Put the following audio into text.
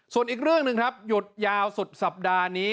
ส่วนอีกเรื่องหนึ่งครับหยุดยาวสุดสัปดาห์นี้